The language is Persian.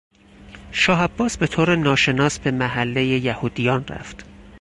شاه عباس به طور ناشناس به محلهی یهودیان رفت.